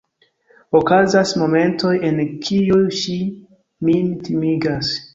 Okazas momentoj, en kiuj ŝi min timigas.